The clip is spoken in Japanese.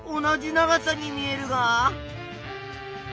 同じ長さに見えるが。